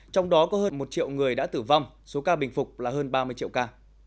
trong đó có hơn một triệu người đã tử vong số ca bình phục là hơn ba mươi triệu ca